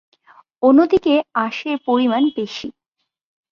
অন্যদিকে আঁশের পরিমাণ বেশি।